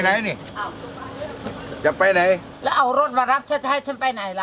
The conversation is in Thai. ไหนนี่จะไปไหนแล้วเอารถมารับฉันจะให้ฉันไปไหนล่ะ